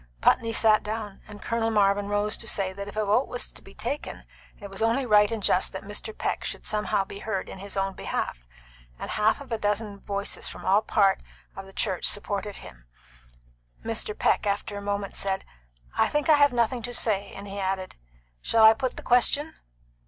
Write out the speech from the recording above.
Putney sat down, and Colonel Marvin rose to say that if a vote was to be taken, it was only right and just that Mr. Peck should somehow be heard in his own behalf, and half a dozen voices from all parts of the church supported him Mr. Peck, after a moment, said, "I think I have nothing to say;" and he added, "Shall I put the question?"